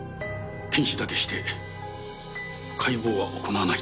検視だけして解剖は行わないと？